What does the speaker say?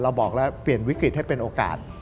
บอกแล้วเปลี่ยนวิกฤตให้เป็นโอกาส